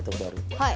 はい。